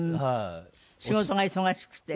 仕事が忙しくて？